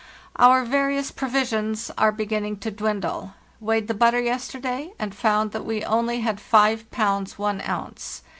"Our various provisions are beginning to dwindle. Weighed the butter yesterday, and found that we only had 5 pounds 1 ounce.